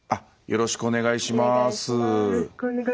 よろしくお願いします。